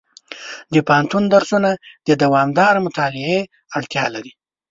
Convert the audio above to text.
د پوهنتون درسونه د دوامداره مطالعې اړتیا لري.